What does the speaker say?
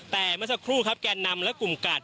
แต่เมื่อสักครู่ครับแกนนำและกลุ่มกาด